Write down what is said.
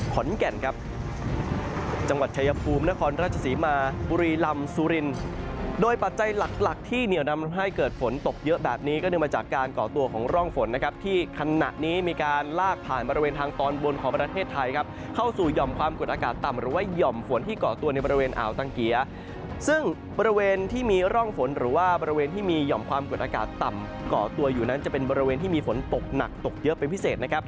ขอนแก่นจังหวัดชายภูมินครราชสีมาบุรีลำสุรินโดยปัจจัยหลักที่เหนียวนำให้เกิดฝนตกเยอะแบบนี้ก็เนื่องมาจากก่อตัวของร่องฝนที่ขณะนี้มีการลากผ่านบริเวณทางตอนบนของประเทศไทยเข้าสู่หย่อมความกดอากาศต่ำหรือหย่อมฝนที่ก่อตัวในบริเวณอ่าวตังเกียซึ่งบริเวณ